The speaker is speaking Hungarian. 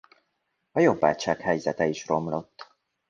A jobbágyság helyzete is romlott.